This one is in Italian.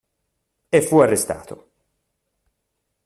E fu arrestato.